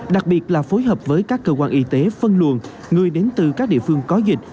đặc biệt là phối hợp với các cơ quan y tế phân luồn người đến từ các địa phương có dịch